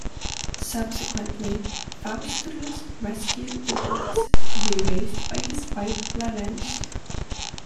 Subsequently Faustulus rescued the boys, to be raised by his wife Larentia.